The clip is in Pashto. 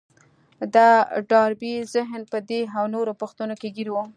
د ډاربي ذهن په دې او نورو پوښتنو کې ګير و.